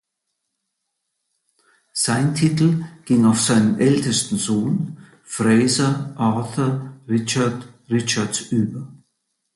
Sein Titel ging auf seinen ältesten Sohn Fraser Arthur Richard Richards über.